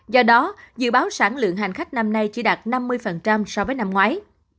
do đó dự báo sản lượng hành khách năm nay chỉ đạt năm mươi so với năm ngoái